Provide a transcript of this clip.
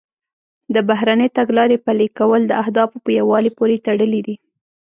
د بهرنۍ تګلارې پلي کول د اهدافو په یووالي پورې تړلي دي